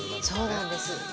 そうなんです。